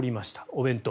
お弁当。